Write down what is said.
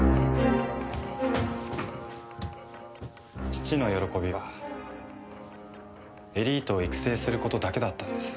父の喜びはエリートを育成する事だけだったんです。